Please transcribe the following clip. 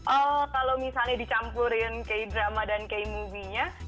oh kalau misalnya dicampurin k drama dan k movie nya